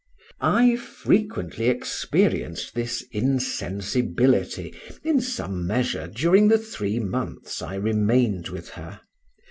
I have frequently experienced this insensibility, in some measure, during the three months I remained with her.